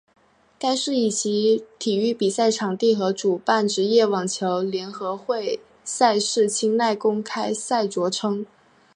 该市以其体育比赛场地和主办职业网球联合会赛事清奈公开赛着称。